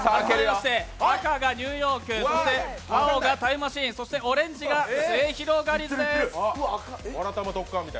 赤がニューヨーク、青がタイムマシーン、オレンジがすゑひろがりずです。